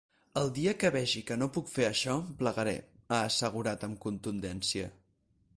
El dia que vegi que no puc fer això, plegaré, ha assegurat amb contundència.